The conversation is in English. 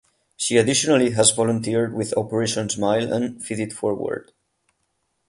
She additionally has volunteered with Operation Smile and Feed it Forward.